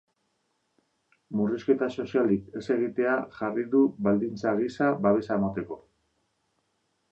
Murrizketa sozialik ez egitea jarri du baldintza gisa babesa emateko.